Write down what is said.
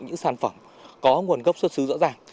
những sản phẩm có nguồn gốc xuất xứ rõ ràng